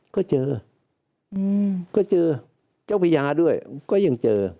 ก็เจอก็เจอเจ้าพญาด้วยก็ยังเจอ